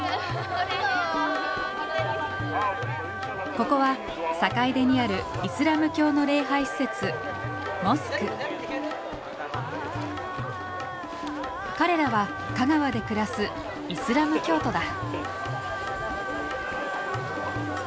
ここは坂出にあるイスラム教の礼拝施設彼らは香川で暮らすイスラム教徒だ。